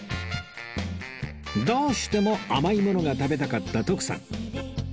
どうしても甘いものが食べたかった徳さん